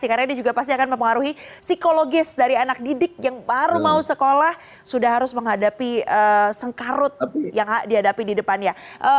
karena dia juga pasti akan mempengaruhi psikologis dari anak didik yang baru mau sekolah sudah harus menghadapi sengkarut yang dihadapi di depannya